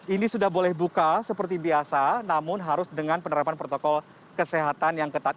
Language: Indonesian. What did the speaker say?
ini sudah boleh buka seperti biasa namun harus dengan penerapan protokol kesehatan yang ketat